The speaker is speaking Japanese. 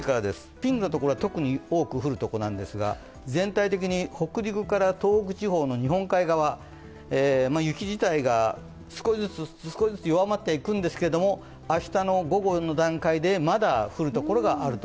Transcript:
ピンクの所は特に多く降る所なんですが、全体的に北陸から東北地方の日本海側、雪自体が少しずつ弱まってはいくんですけれども明日の午後の段階でまだ降る所があると。